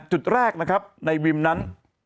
จุดแรกนะครับในวิมนั้น